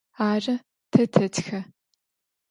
Ары, тэ тэтхэ.